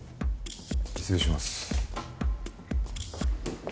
失礼します。